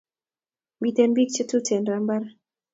Miten pik che tuten raa imbar